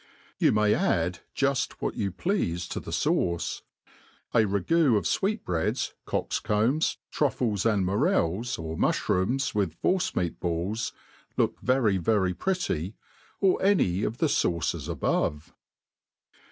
You may add juft what you'pleafe to the fauce. A ragoo^ of fweet breads, cock's combs, truffles, and morels, or mufhrooms, with force meat balls, look very \^ry pretty, or any of the fauces above.